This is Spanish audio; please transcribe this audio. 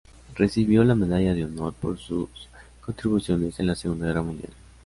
Recibió la Medalla de Honor por sus contribuciones en la Segunda Guerra Mundial.